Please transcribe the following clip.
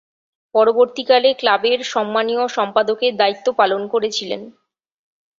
পরবর্তীকালে ক্লাবের সম্মানীয় সম্পাদকের দায়িত্ব পালন করেছিলেন।